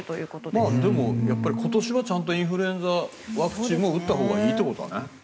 でも今年はちゃんとインフルエンザワクチンも打ったほうがいいということだね。